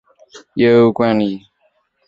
由中日本高速公路管理。